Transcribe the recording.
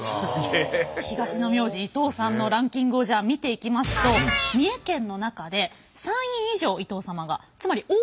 東の名字伊藤さんのランキングを見ていきますと三重県の中で３位以上伊藤様がつまり多い地域が青くなっています。